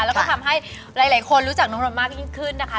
แล้วก็ทำให้หลายคนรู้จักน้องนนท์มากยิ่งขึ้นนะคะ